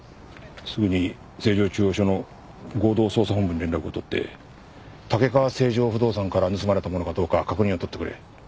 すぐに成城中央署の合同捜査本部に連絡を取って竹川成城不動産から盗まれたものかどうか確認を取ってくれ。